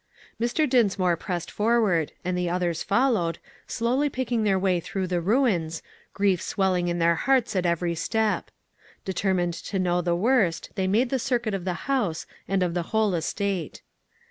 Mr. Dinsmore pressed forward, and the others followed, slowly picking their way through the ruins, grief swelling in their hearts at every step. Determined to know the worst, they made the circuit of the house and of the whole estate.